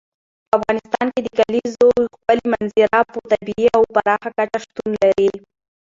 په افغانستان کې د کلیزو ښکلې منظره په طبیعي او پراخه کچه شتون لري.